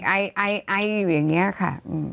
ไออย่างนี้ค่ะ